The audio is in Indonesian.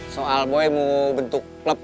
soal boy mau bentuk klub